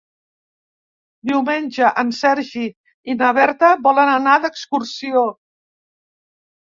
Diumenge en Sergi i na Berta volen anar d'excursió.